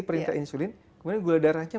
perintah insulin kemudian gula darahnya